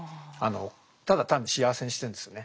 ただ単に幸せにしてるんですよね